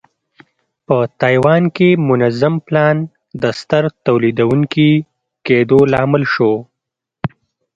په تایوان کې منظم پلان د ستر تولیدوونکي کېدو لامل شو.